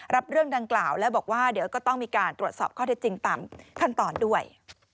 รับเรื่องดังกล่าวแล้วบอกว่าเดี๋ยวก็ต้องมีการตรวจสอบข้อเท็จจริงตามขั้นตอนด้วย